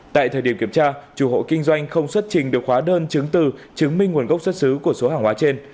tại thời điểm kiểm tra chủ hộ kinh doanh không xuất trình được khóa đơn chứng từ chứng minh nguồn gốc xuất xứ của số hàng hóa trên